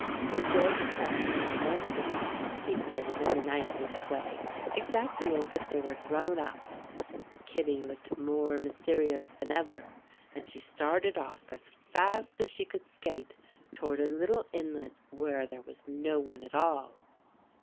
When George had fastened on their skates he did it in the nicest way, exactly as if they were grown up Kittie looked more mysterious than ever, and she started off as fast as she could skate toward a little inlet where there was no one at all.